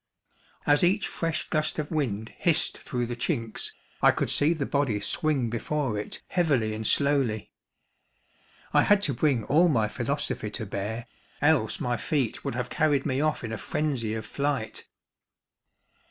As each fresh gust of wind hissed through the chinks, I could see the body swing before it, heavily and slowly. I had to bring all my philosophy to bear, else my feet would have carried me off in a frenzy of flight.